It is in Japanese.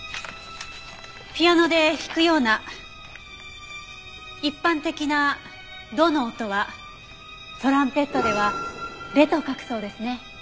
ピアノで弾くような一般的な「ド」の音はトランペットでは「レ」と書くそうですね。